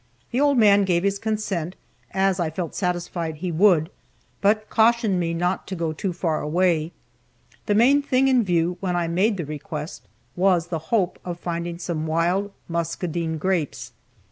The old man gave his consent (as I felt satisfied he would) but cautioned me not to go too far away. The main thing in view, when I made the request, was the hope of finding some wild muscadine grapes.